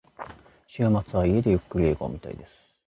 週末は家でゆっくり映画を見たいです。